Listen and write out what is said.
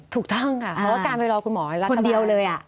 ถูกต้องค่ะเพราะว่าการไปรอคุณหมอราคาเดียวเลย